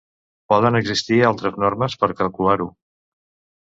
Poden existir altres normes per calcular-ho.